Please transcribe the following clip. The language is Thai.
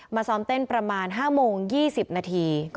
ซ้อมเต้นประมาณ๕โมง๒๐นาที